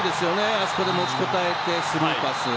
あそこで、もちこたえてスルーパス。